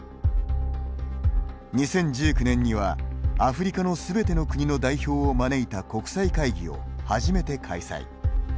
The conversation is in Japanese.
２０１９年には、アフリカのすべての国の代表を招いた国際会議を初めて開催。